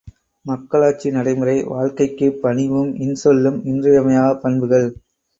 மக்களாட்சி நடைமுறை வாழ்க்கைக்குப் பணிவும் இன்சொல்லும் இன்றியமையாப் பண்புகள்!